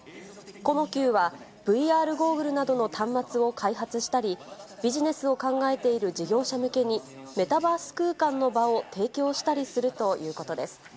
コノキューは、ＶＲゴーグルなどの端末を開発したり、ビジネスを考えている事業者向けに、メタバース空間の場を提供したりするということです。